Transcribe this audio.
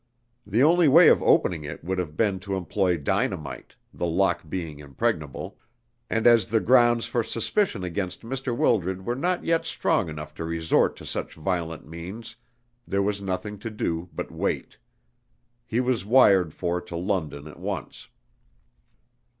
The only way of opening it would have been to employ dynamite, the lock being impregnable; and as the grounds for suspicion against Mr. Wildred were not yet strong enough to resort to such violent means, there was nothing to do but wait. He was wired for to London at once."